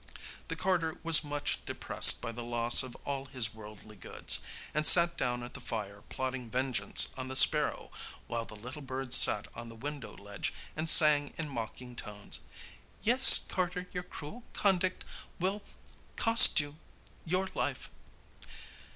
The carter was much depressed by the loss of all his worldly goods, and sat down at the fire plotting vengeance on the sparrow, while the little bird sat on the window ledge and sang in mocking tones: 'Yes, carter, your cruel conduct will cost you your life.